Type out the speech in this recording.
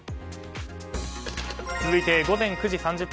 続いて、午前９時３０分。